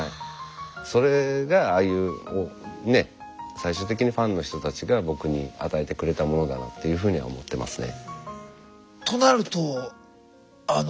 最終的にファンの人たちが僕に与えてくれたものだなっていうふうには思ってますね。